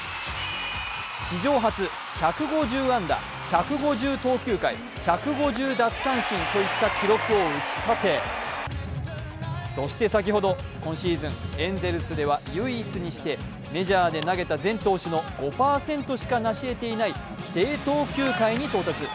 史上初、１５０安打、１５０投球回、１５０奪三振という記録を打ち立てそして先ほど今シーズン、エンゼルスでは唯一にしてメジャーで投げた全投手の５％しかなしえていない規定投球回に到達。